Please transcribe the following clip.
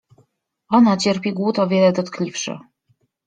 Ona cierpi głód o wiele dotkliwszy.